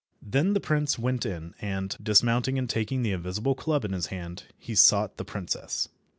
Then the prince went in, and, dismounting and taking the invisible club in his hand, he sought the princess.